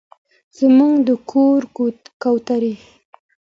زموږ د کور کوترې